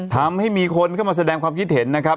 ทำให้มีคนเข้ามาแสดงความคิดเห็นนะครับ